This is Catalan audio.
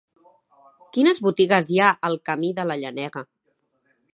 Quines botigues hi ha al camí de la Llenega?